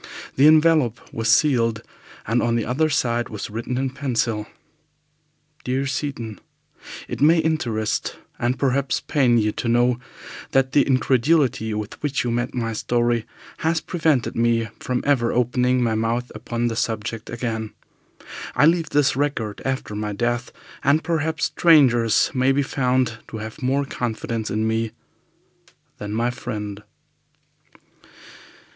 The envelope was sealed, and on the other side was written in pencil DEAR SEATON, "It may interest, and perhaps pain you, to know that the incredulity with which you met my story has prevented me from ever opening my mouth upon the subject again. I leave this record after my death, and perhaps strangers may be found to have more confidence in me than my friend."